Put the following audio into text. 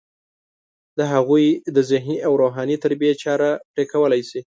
د هغوی د ذهني او روحاني تربیې چاره پرې کولی شي.